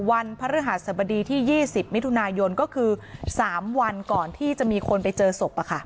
วันพระฤหัสบดีที่๒๐มิถุนายนก็คือ๓วันก่อนที่จะมีคนไปเจอศพ